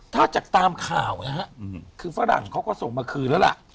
ถ้าจากตามข่าวนะฮะคือฝรั่งเขาก็ส่งมาคืนแล้วล่ะ